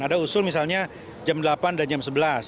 ada usul misalnya jam delapan dan jam sebelas